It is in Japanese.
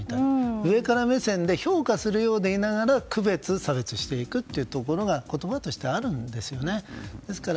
上から目線で評価しようとしながら区別・差別していくことが言葉としてはあるんですよね。